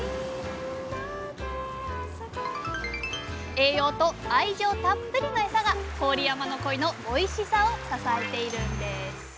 栄養と愛情たっぷりのエサが郡山のコイのおいしさを支えているんです。